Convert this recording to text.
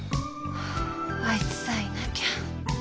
あいつさえいなきゃ。